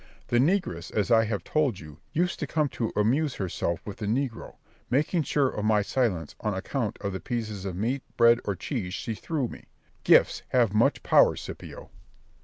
The negress, as I have told you, used to come to amuse herself with the negro, making sure of my silence on account of the pieces of meat, bread, or cheese she threw me. Gifts have much power, Scipio.